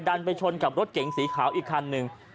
ไปชนกับรถเก๋งสีขาวอีกคันหนึ่ง